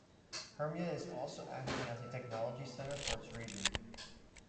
Hermia is also acting as a technology centre for its region.